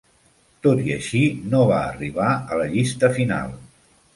Tot i així, no va arribar a la llista final.